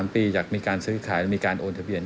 ๓ปีอยากมีการซื้อขายมีการโอนทะเบียน